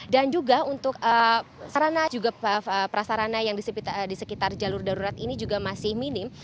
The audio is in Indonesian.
dan juga untuk prasarana yang di sekitar jalur darurat ini juga masih minim